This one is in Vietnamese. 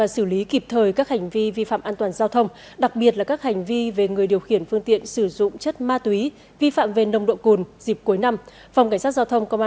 xử lý kịp thời tất cả các hành vi vi phạm về trật tự an toàn giao thông